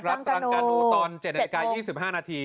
รัดตรังกระหนูตอน๗นาที๒๕นาที